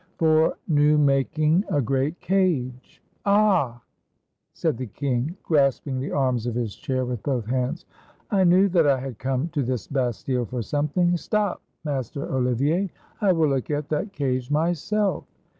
"For new making a great cage —" "Ah!" said the king, grasping the arms of his chair with both hands, " I knew that I had come to this Bastile for something. Stop, Master Olivier; I will look at that cage myself.